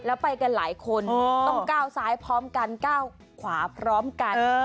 แล้วไปกันหลายคนต้องก้าวซ้ายพร้อมกันก้าวขวาพร้อมกัน